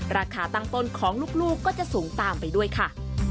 ราคาตั้งต้นของลูกก็จะสูงตามไปด้วยค่ะ